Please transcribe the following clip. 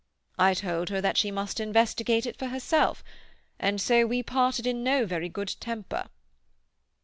I told her that she must investigate it for herself, and so we parted in no very good temper."